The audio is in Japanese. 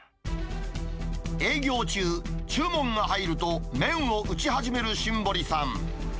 営業中、注文が入ると麺を打ち始める新堀さん。